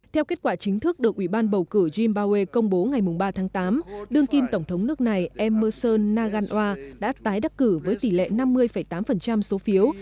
theo kết quả chính thức được ủy ban bầu cử trimbawe công bố ngày ba tháng tám đương kim tổng thống nước này emerson naganoa đã tái đắc cử với tỷ lệ năm mươi tám số phiếu